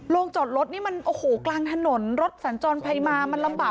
จอดรถนี่มันโอ้โหกลางถนนรถสัญจรไปมามันลำบาก